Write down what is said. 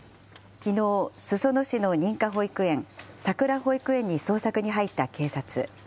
きのう、裾野市の認可保育園、さくら保育園に捜索に入った警察。